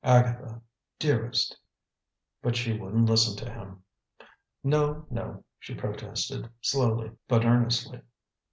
Agatha, dearest " But she wouldn't listen to him. "No, no," she protested, slowly but earnestly.